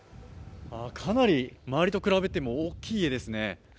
かなり周りと比べても大きい家ですね。